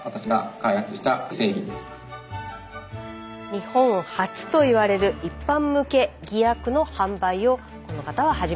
日本初と言われる一般向け偽薬の販売をこの方は始めました。